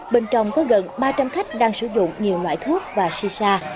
bên trong có gần ba trăm linh khách đang sử dụng nhiều loại thuốc và shisha